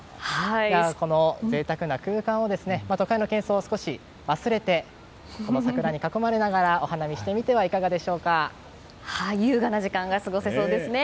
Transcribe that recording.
この贅沢な空間を都会の喧騒を少し忘れて桜に囲まれながらお花見してみては優雅な時間が過ごせそうですね。